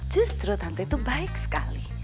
justru tante itu baik sekali